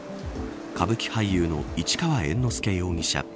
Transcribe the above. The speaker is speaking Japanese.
歌舞伎俳優の市川猿之助容疑者。